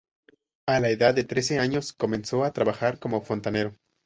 A la edad de trece años comenzó a trabajar como fontanero.